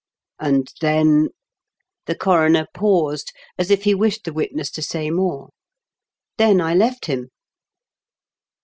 " And then " The coroner paused, as if he wished the witness to say more. " Then I left him."